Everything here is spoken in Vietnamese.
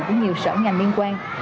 của nhiều sở ngành liên quan